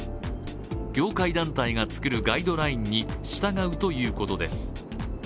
業界団体が作るガイドラインに従うということです。